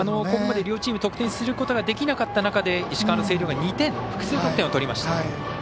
ここまで両チーム得点することができなかった中で石川、星稜が２点、複数得点を取りました。